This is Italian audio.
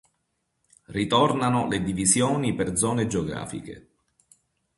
Ritornano le divisioni per zone geografiche.